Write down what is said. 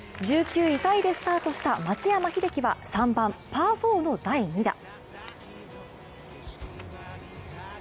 １９位タイでスタートした松山英樹は３番パー４の第２打。